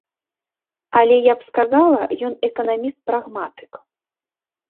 Але я б сказала, ён эканаміст-прагматык.